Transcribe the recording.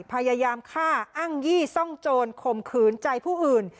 พยายามฆ่าอ้างยี่ซ่องโจรข่มขืนใจผู้อื่น